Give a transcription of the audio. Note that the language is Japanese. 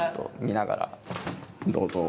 どうぞ。